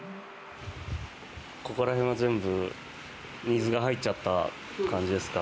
ここら辺は全部水が入っちゃった感じですか。